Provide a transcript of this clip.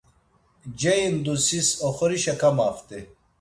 Ceindusis oxorişe kamaft̆i.